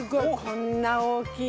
こんな大きい。